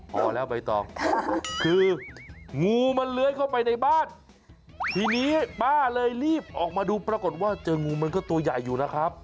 พอแล้วใบตองคืองูมันเลื้อยเข้าไปในบ้านทีนี้ป้าเลยรีบออกมาดูปรากฏว่าเจองูมันก็ตัวใหญ่อยู่นะครับ